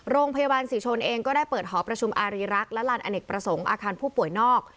โรงพยาบาลศรีชนเองก็ได้เปิดหอประชุมอารีรักษ์และลานอเนกประสงค์อาคารผู้ป่วยนอก